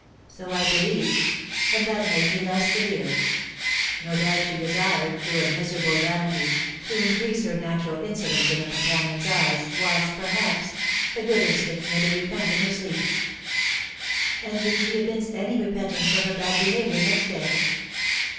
"So I believe; and that made me less severe. No doubt she desired, through a miserable vanity, to increase her natural insolence in her companions' eyes, whilst, perhaps, a good instinct made her repent in her sleep." "And did she evince any repentance for her bad behaviour next day?"